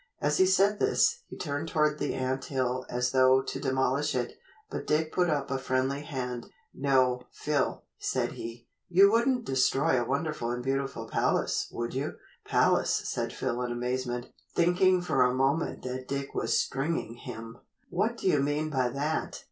As he said this, he turned toward the ant hill as though to demolish it, but Dick put up a friendly hand: "No, Phil," said he, "you wouldn't destroy a wonderful and beautiful palace, would you?" "Palace," said Phil in amazement, thinking for a moment that Dick was "stringing" him. "What do you mean by that?"